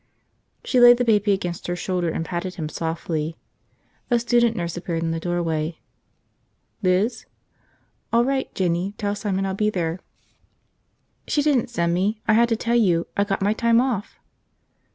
She laid the baby against her shoulder and patted him softly. A student nurse appeared in the doorway. "Liz?" "All right, Jinny, tell Simon I'll be there." "She didn't send me. I had to tell you, I got my time off!"